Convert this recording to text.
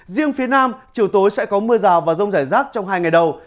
riêng phía nam chiều tối sẽ có mưa rào và rông rải rác trong hai ngày đầu